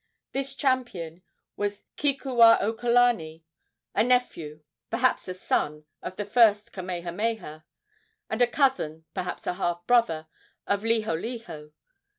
This champion was Kekuaokalani, a nephew, perhaps a son, of the first Kamehameha, and a cousin, perhaps a half brother, of Liholiho.